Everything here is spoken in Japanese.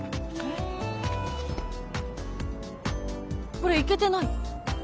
これイケてない？